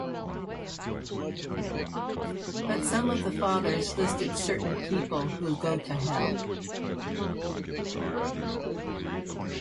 But some of the fathers listed certain people who go to hell.